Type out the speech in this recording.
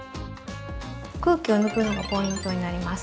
空気を抜くのがポイントになります。